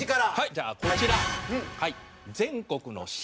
じゃあこちらはい。